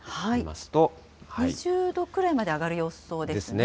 ２０度くらいまで上がる予想ですね。